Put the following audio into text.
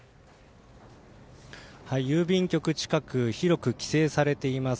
郵便局近く広く規制されています。